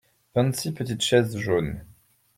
Vingt-six petites chaises jaunes.